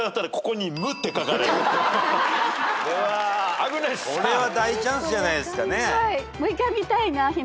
これは大チャンスじゃないですかね。